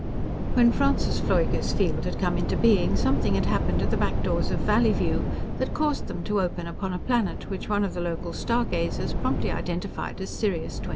When Francis Pfleuger's field had come into being, something had happened to the back doors of Valleyview that caused them to open upon a planet which one of the local star gazers promptly identified as Sirius XXI.